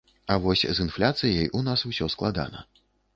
А вось з інфляцыяй у нас усё складана.